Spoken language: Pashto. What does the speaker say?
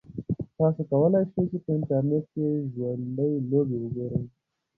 تاسو کولای شئ چې په انټرنیټ کې ژوندۍ لوبې وګورئ.